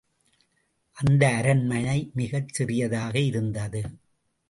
அந்த அரண்மனை மிகச் சிறியதாக இருந்தது.